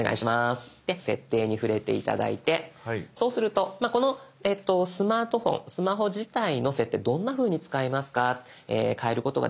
で「設定」に触れて頂いてそうするとこのスマートフォンスマホ自体の設定どんなふうに使いますか変えることができますよ